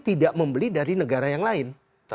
tidak membeli dari negara yang lain